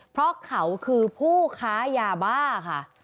เพราะเขาคือผู้ค้ายาบ้าค่ะ